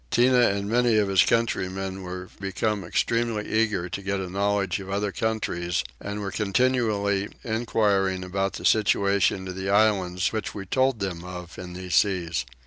Tinah and many of his countrymen were become extremely eager to get a knowledge of other countries, and were continually enquiring about the situations of the islands which we told them of in these seas.